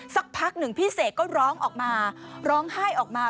สักพักหนึ่งพี่เสกก็ร้องออกมาร้องไห้ออกมา